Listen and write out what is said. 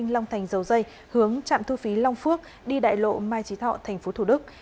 long thành dầu dây hướng trạm thu phí long phước đi đại lộ mai trí thọ tp thủ đức